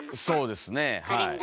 そうですねはい。